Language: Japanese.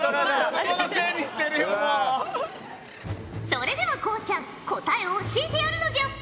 それではこうちゃん答えを教えてやるのじゃ！